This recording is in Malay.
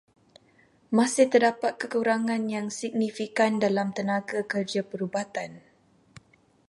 Masih terdapat kekurangan yang signifikan dalam tenaga kerja perubatan.